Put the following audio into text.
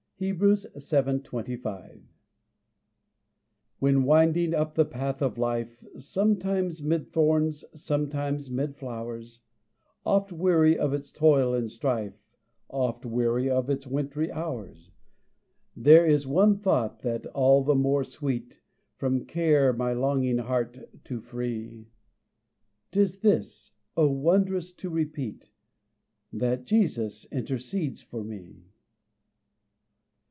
_ Hebrews 7:25. When winding up the path of life, Sometimes mid thorns, sometimes mid flowers, Oft weary of its toil and strife, Oft weary of its wintry hours, There is one thought than all more sweet From care my longing heart to free; 'Tis this oh, wondrous to repeat That Jesus intercedes for me.